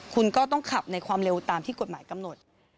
คุณก็ต้องขับในความเร็วตามที่กฎหมายกำหนด